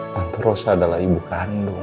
tante rosa adalah ibu kandung